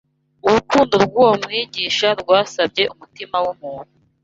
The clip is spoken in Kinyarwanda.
Urukundo rw’uwo Mwigisha rwasabye umutima w’umuntu